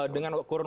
dengan kurun waktu